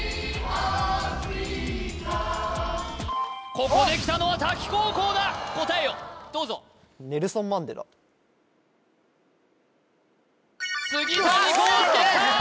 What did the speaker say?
ここできたのは滝高校だ答えをどうぞ杉谷光亮きた！